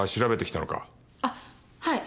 あっはい。